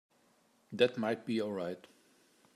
That might be all right.